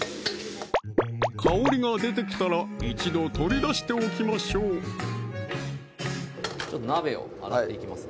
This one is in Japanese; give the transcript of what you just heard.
香りが出てきたら一度取り出しておきましょう鍋を洗っていきます